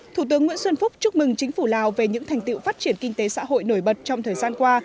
thủ tướng nguyễn xuân phúc chúc mừng chính phủ lào về những thành tiệu phát triển kinh tế xã hội nổi bật trong thời gian qua